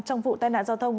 trong vụ tai nạn giao thông